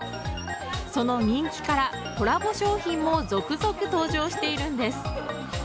その人気からコラボ商品も続々登場しているんです。